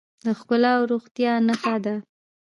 د ښکلا او روغتیا نښه ده.